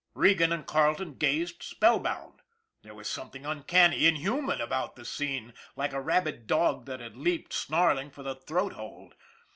Regan and Carleton gazed spellbound. There was something uncanny, inhuman about the scene like a rabid dog that had leaped, snarling, for the throat hold.